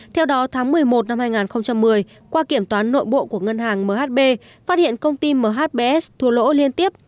theo đó tháng một mươi một năm hai nghìn một mươi qua kiểm toán nội bộ của ngân hàng mhb phát hiện công ty mhbs thua lỗ liên tiếp